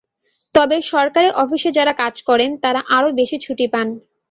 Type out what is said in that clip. তবে সরকারি অফিসে যাঁরা কাজ করেন তাঁরা আরও বেশি ছুটি পান।